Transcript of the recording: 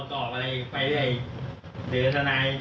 ช่วยแนะนำ